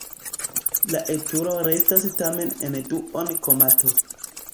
La etulo restas tamen en duon-komato.